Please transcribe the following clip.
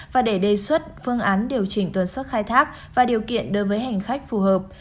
và để đề xuất phương án điều chỉnh tần suất khai thác và điều kiện đối với hành khách phù hợp